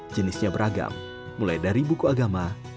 jenisnya beragam mulai dari buku agama